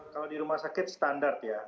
kalau di rumah sakit standar ya